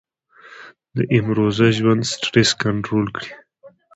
د امروزه ژوند سټرېس کنټرول کړي -